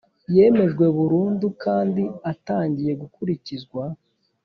Yemejwe burundu kandi atangiye gukurikizwa